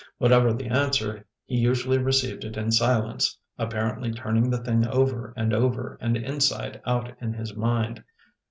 Whatever the answer, he usually received it in silence, apparently turning the thing over and over and inside out in his mind.